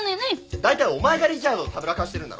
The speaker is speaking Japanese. だいたいお前がリチャードをたぶらかしてるんだろ。